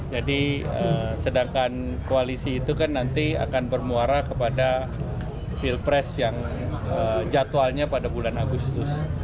jadi sedangkan koalisi itu kan nanti akan bermuara kepada pilpres yang jadwalnya pada bulan agustus